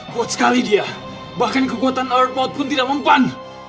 kuat sekali dia bahkan kekuatan airport pun tidak mempan